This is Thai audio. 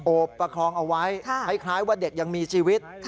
ประคองเอาไว้คล้ายว่าเด็กยังมีชีวิต